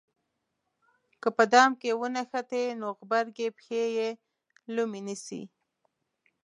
که په دام کې ونښتې نو غبرګې پښې یې لومې نیسي.